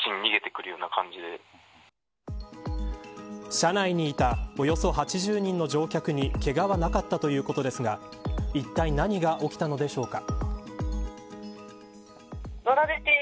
車内にいた、およそ８０人の乗客にけがはなかったということですがいったい何が起きたのでしょうか。